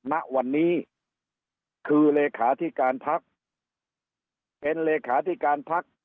ณวันนี้คือเลขาธิการพักเป็นเลขาธิการพัก